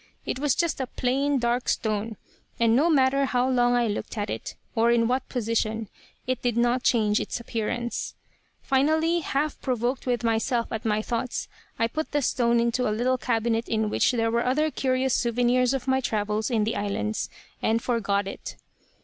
It was just a plain, dark stone, and no matter how long I looked at it, or in what position, it did not change its appearance. "Finally, half provoked with myself at my thoughts, I put the stone into a little cabinet in which were other curious souvenirs of my travels in the islands, and forgot it.